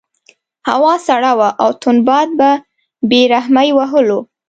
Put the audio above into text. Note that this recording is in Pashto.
هوا سړه وه او تند باد په بې رحمۍ وهلو.